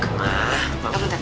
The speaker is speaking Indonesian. nah kamu lihat